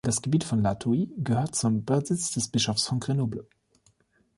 Das Gebiet von La Thuile gehörte zum Besitz des Bischofs von Grenoble.